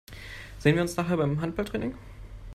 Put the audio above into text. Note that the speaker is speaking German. Sehen wir uns nachher beim Handballtraining?